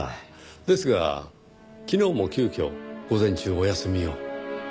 ですが昨日も急きょ午前中お休みを。